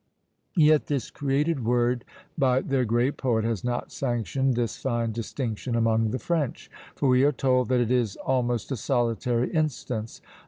Yet this created word by their great poet has not sanctioned this fine distinction among the French, for we are told that it is almost a solitary instance.